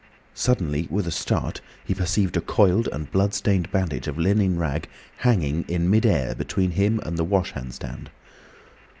Suddenly, with a start, he perceived a coiled and blood stained bandage of linen rag hanging in mid air, between him and the wash hand stand.